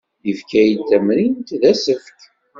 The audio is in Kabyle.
Yefka-iyi-d tamrint d asefk.